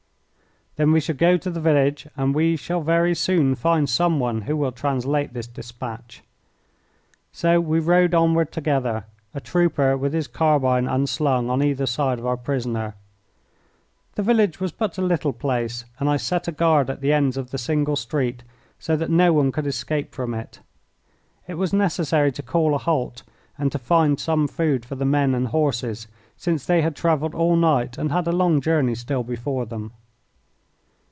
"Then we shall go to the village and we shall very soon find some one who will translate this despatch." So we rode onward together, a trooper with his carbine unslung on either side of our prisoner. The village was but a little place, and I set a guard at the ends of the single street, so that no one could escape from it. It was necessary to call a halt and to find some food for the men and horses, since they had travelled all night and had a long journey still before them.